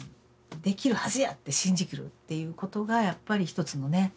「できるはずや！」って信じきるっていうことがやっぱり一つのね